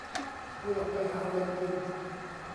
เลยออกไปหาอะไรกิน